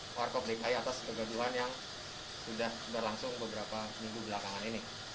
kepada om indro peserta warkop dki atas kegaduhan yang sudah berlangsung beberapa minggu belakangan ini